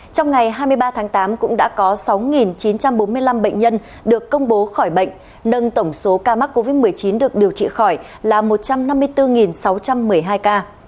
trong ngày hai mươi ba tháng tám cũng đã có sáu chín trăm bốn mươi năm bệnh nhân được công bố khỏi bệnh nâng tổng số ca mắc covid một mươi chín được điều trị khỏi là một trăm năm mươi bốn sáu trăm một mươi hai ca